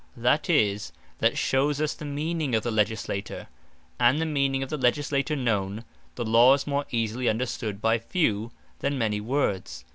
That is it, that shewes us the meaning of the Legislator, and the meaning of the Legislator known, the Law is more easily understood by few, than many words.